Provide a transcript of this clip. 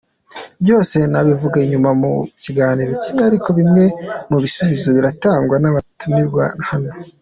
Byose ntawabiva inyuma mu kiganiro kimwe, ariko bimwe mu bisubizo biratangwa n’abatumirwa hano.